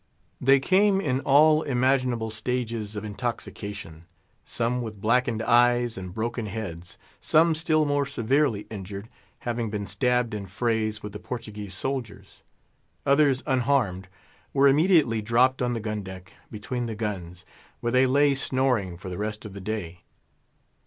They came in all imaginable stages of intoxication; some with blackened eyes and broken heads; some still more severely injured, having been stabbed in frays with the Portuguese soldiers. Others, unharmed, were immediately dropped on the gun deck, between the guns, where they lay snoring for the rest of the day.